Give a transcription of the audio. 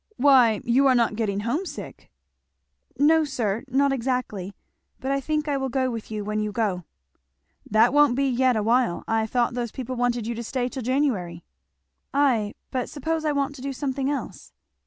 Why you are not getting homesick?" "No sir, not exactly, but I think I will go with you when you go." "That won't be yet awhile I thought those people wanted you to stay till January." "Ay, but suppose I want to do something else?"